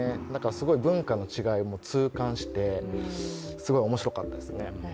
すごい文化の違いを痛感して、すごい面白かったですね。